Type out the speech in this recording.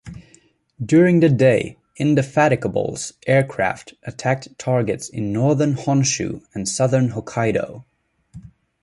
During the day, "Indefatigable"s aircraft attacked targets in northern Honshu and southern Hokkaido.